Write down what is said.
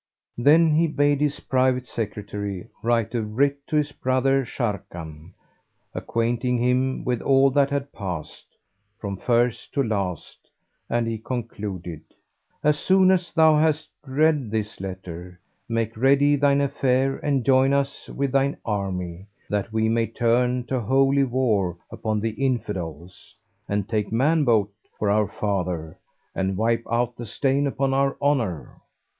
Then he bade his private secretary write a writ to his brother Sharrkan, acquainting him with all that had passed, from first to last, and he concluded, "As soon as thou hast read this letter, make ready thine affair and join us with thine army, that we may turn to Holy War upon the Infidels and take man bote for our father and wipe out the stain upon our honour."